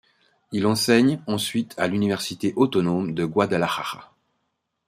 Il enseigne ensuite à l'université autonome de Guadalajara.